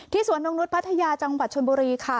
สวนนกนุษย์พัทยาจังหวัดชนบุรีค่ะ